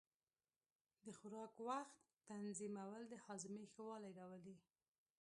د خوراک وخت تنظیمول د هاضمې ښه والی راولي.